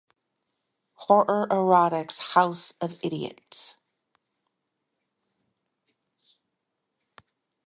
Horror's Erotic House of Idiots.